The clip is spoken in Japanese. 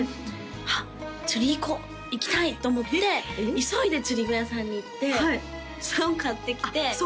「あっ釣り行こう行きたい！」と思って急いで釣り具屋さんに行って竿買ってきてあっ